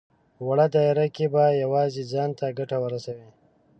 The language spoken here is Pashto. وړه دايره کې به يوازې ځان ته ګټه ورسوي.